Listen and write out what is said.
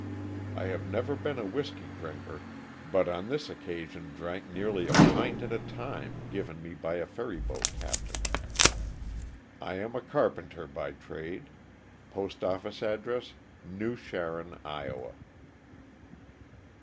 I have never been a whiskey drinker, but on this occasion drank nearly a pint at a time given me by a ferry boat captain. 1 am a carpenter by trade. Postoffice address, New Sharon, Iowa.